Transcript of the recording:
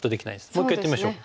もう一回やってみましょう。